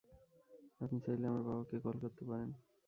আপনি চাইলে আমার বাবাকে কল করতে পারেন।